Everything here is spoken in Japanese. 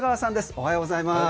おはようございます。